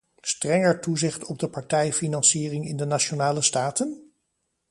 Strenger toezicht op de partijfinanciering in de nationale staten?